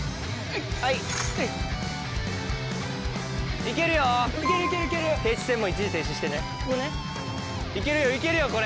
行けるよ行けるよこれ。